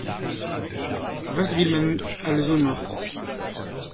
Was will man also noch?